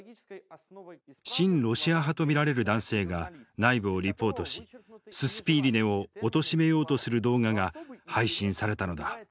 親ロシア派と見られる男性が内部をリポートしススピーリネをおとしめようとする動画が配信されたのだ。